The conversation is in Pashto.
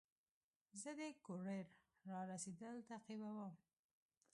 زه د کوریر رارسېدل تعقیبوم.